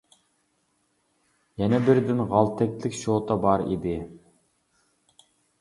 يەنە بىردىن غالتەكلىك شوتا بار ئىدى.